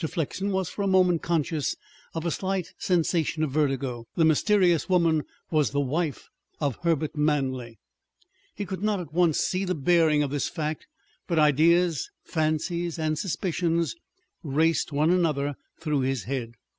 Flexen was for a moment conscious of a slight sensation of vertigo. The mysterious woman was the wife of Herbert Manley! He could not at once see the bearings of this fact, but ideas, fancies and suspicions raced one another through his head.